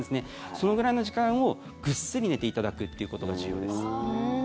そのくらいの時間をぐっすり寝ていただくということが重要です。